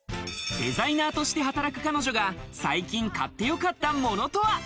デザイナーとして働く彼女が最近買ってよかったものとは？